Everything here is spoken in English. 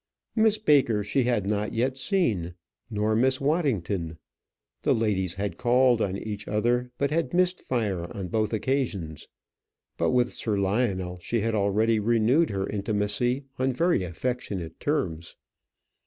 Miss Baker she had not yet seen, nor Miss Waddington. The ladies had called on each other, but had missed fire on both occasions; but with Sir Lionel she had already renewed her intimacy on very affectionate terms.